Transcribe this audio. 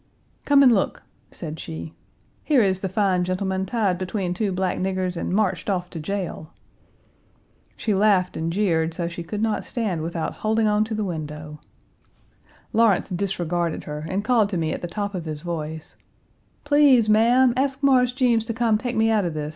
"Come and look," said she. "Here is the fine gentleman tied between two black niggers and marched off to jail." She laughed and jeered so she could not stand without holding on to the window. Lawrence disregarded her Page 218 and called to me at the top of his voice: "Please, ma'am, ask Mars Jeems to come take me out of this.